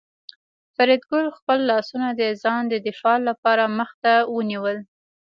فریدګل خپل لاسونه د ځان د دفاع لپاره مخ ته ونیول